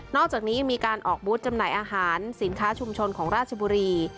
อกจากนี้ยังมีการออกบูธจำหน่ายอาหารสินค้าชุมชนของราชบุรี